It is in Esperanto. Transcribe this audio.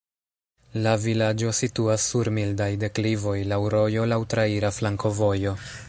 La vilaĝo situas sur mildaj deklivoj, laŭ rojo, laŭ traira flankovojo.